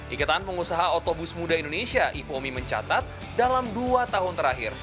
ikatan pengusaha otobus muda indonesia ipomi mencatat dalam dua tahun terakhir